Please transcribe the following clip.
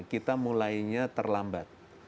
kita mulainya terlambat